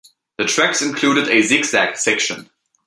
The tracks included a zig zag section.